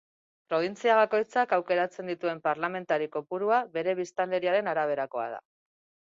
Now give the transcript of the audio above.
Probintzia bakoitzak aukeratzen dituen parlamentari kopurua bere biztanleriaren araberakoa da.